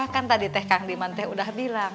kan tadi teh kang biman teh udah bilang